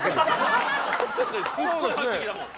すごい入ってきたもん。